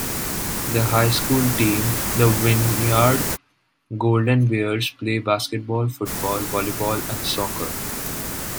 The high school team the Wynyard Golden Bears play basketball, football, volleyball, and soccer.